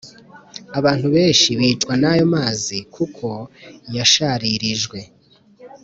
abantu benshi bicwa n’ayo mazi kuko yasharirijwe.